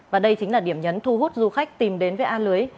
và đây chính là điểm nhấn thu hút du khách tìm đến với a lưới